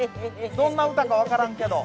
どんな歌か分からんけど。